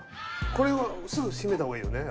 これはすぐ閉めた方がいいよね？